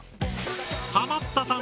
ハマったさん